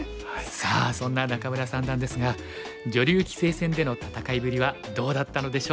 さあそんな仲邑三段ですが女流棋聖戦での戦いぶりはどうだったのでしょうか。